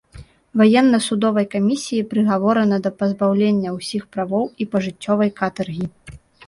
Ваенна-судовай камісіяй прыгаворана да пазбаўлення ўсіх правоў і пажыццёвай катаргі.